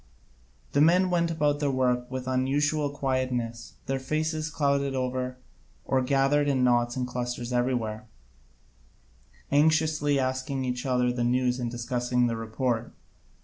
The men went about their work with an unusual quietness, their faces clouded over, or gathered in knots and clusters everywhere, anxiously asking each other the news and discussing the report.